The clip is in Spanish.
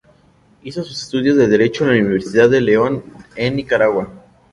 Hizo sus estudios de Derecho en la Universidad de León en Nicaragua.